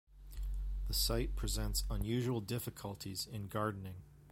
The site presents unusual difficulties in gardening.